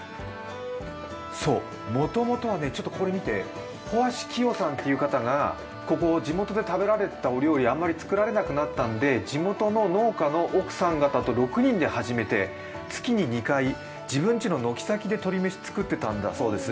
もともとはこれ見て、帆足キヨさんっていう人が、ここ地元で食べられていたものがあまり食べられなくなってきたんで地元の農家の奥さん方と６人で始めて月に２回、自分ちの軒先で鶏めしを作っていたそうなんです。